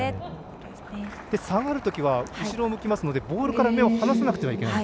下がるときは、後ろ向きながらボールから目を離さなくてはいけない。